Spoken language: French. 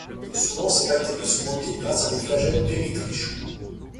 Souvent ces bactéries sont mobiles grâce à des flagelles péritriches.